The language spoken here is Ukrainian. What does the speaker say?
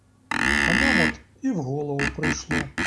А нам от і в голову прийшло!